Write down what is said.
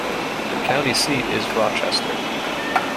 The county seat is Rochester.